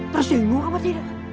tersinggung apa tidak